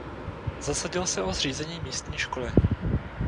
Zasadil se o zřízení místní školy.